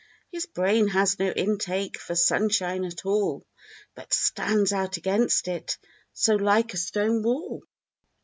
His brain has no intake for sunshine at all. But stands out against it, so like a stone wall.